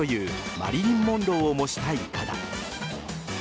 マリリン・モンローを模したいかだ。